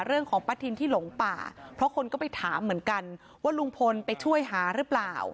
ป้าทินที่หลงป่าเพราะคนก็ไปถามเหมือนกันว่าลุงพลไปช่วยหาหรือเปล่า